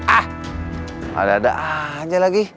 ah ada ada aja lagi